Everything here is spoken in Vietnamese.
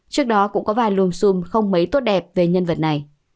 trước đó cũng có vài lùm xùm không mấy tốt đẹp về nhân vật này